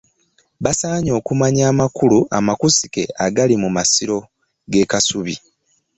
Basaanye okumanya amakulu amakusike agali mu masiro g'ekasubi